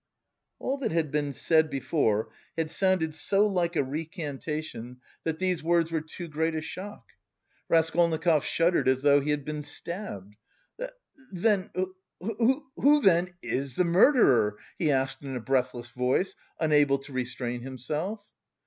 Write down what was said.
All that had been said before had sounded so like a recantation that these words were too great a shock. Raskolnikov shuddered as though he had been stabbed. "Then... who then... is the murderer?" he asked in a breathless voice, unable to restrain himself.